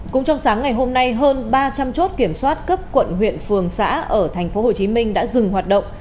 cũng trong sáng ngày hôm nay hơn ba trăm linh chốt kiểm soát cấp quận huyện phường xã ở tp hcm đã dừng hoạt động